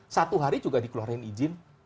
satu hari juga dikeluarin izin